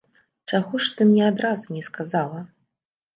Чаго ж ты мне адразу не сказала?